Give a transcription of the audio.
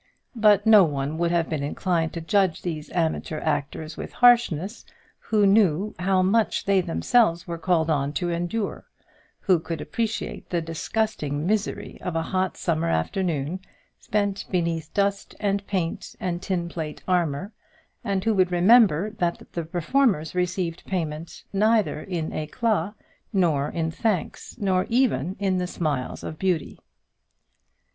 But no one would have been inclined to judge these amateur actors with harshness who knew how much they themselves were called on to endure, who could appreciate the disgusting misery of a hot summer afternoon spent beneath dust and paint and tin plate armour, and who would remember that the performers received payment neither in éclat nor in thanks, nor even in the smiles of beauty.